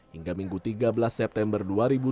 hingga minggu tiga belas september dua ribu dua puluh